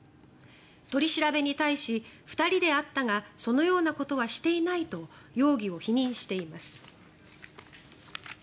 取り調べに対し２人で会ったがそのようなことはしていないと容疑を否認しています。